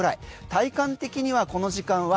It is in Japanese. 体感的にはこの時間は